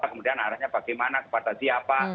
kemudian arahnya bagaimana kepada siapa